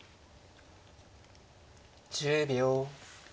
１０秒。